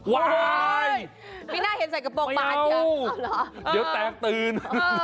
ว้ายไม่น่าเห็นใส่กระโปรงป่ะไม่เอาเดี๋ยวแตกตื่น